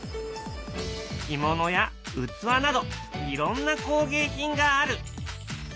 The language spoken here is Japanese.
着物や器などいろんな工芸品がある。